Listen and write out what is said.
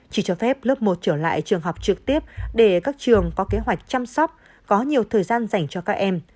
chỉ cho phép lớp một trở lại trường học trực tiếp để các trường có kế hoạch chăm sóc có nhiều thời gian dành cho các em